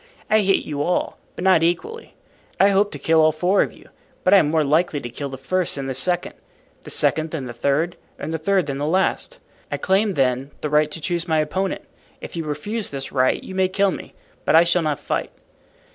I hate you all, but not equally. I hope to kill all four of you, but I am more likely to kill the first than the second, the second than the third, and the third than the last. I claim, then, the right to choose my opponent. If you refuse this right you may kill me, but I shall not fight."